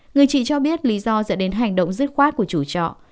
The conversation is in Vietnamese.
người chị cho biết lý do dẫn đến hành động dứt khoát của chú trọ